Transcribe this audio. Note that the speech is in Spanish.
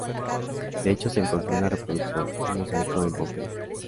De hecho, se encontró una reproducción en mosaico en Pompeya.